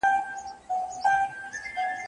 دغو تورمخو له تیارو سره خپلوي کړې ده